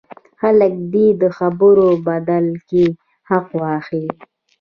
خلک دې د خبرو په بدل کې حق واخلي.